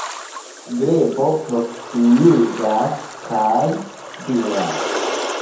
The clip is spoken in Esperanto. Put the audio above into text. Grebo proksimiĝas kaj diras: